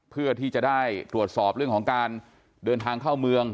เพื่อที่จะได้ตรวจสอบเรื่องของการเดินทางเข้าเมือง